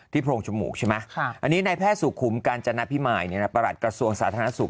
โพรงจมูกใช่ไหมอันนี้ในแพทย์สุขุมกาญจนพิมายประหลัดกระทรวงสาธารณสุข